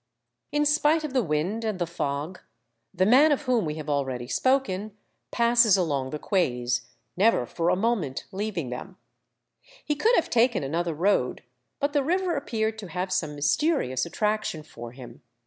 In spite of the wind and the fog, the man of whom we have already spoken passes along the quays, never for a moment leaving them ; he could have taken another road, but the river appeared to have some mysterious attraction for him.